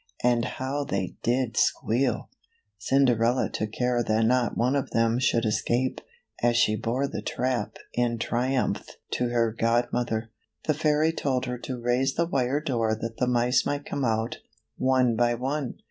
And how they did squeal ! Cinderella took care that not one of them should escape, as she bore the trap in triumph to her godmother. The fairy told her to raise the wire door that the mice might come out, one by one.